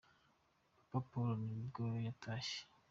Papa Paul wa nibwo yatashye.